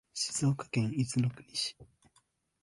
静岡県伊豆の国市